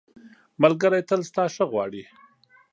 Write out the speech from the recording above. ملګری تل ستا ښه غواړي.